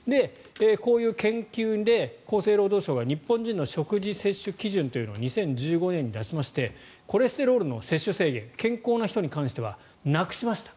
こういう研究で厚生労働省が日本人の食事摂取基準というのを２０１５年に出しましてコレステロールの摂取制限健康な人に関してはなくしました。